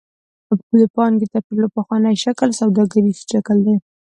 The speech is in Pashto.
د پانګې تر ټولو پخوانی شکل سوداګریز شکل دی.